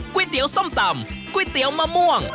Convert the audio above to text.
ก๋วยเตี๋ยวส้มตำก๋วยเตี๋ยวมะม่วง